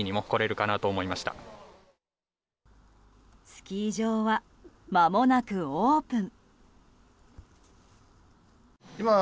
スキー場はまもなくオープン。